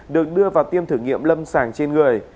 được đưa vào tiêm thử nghiệm lâm sàng trên người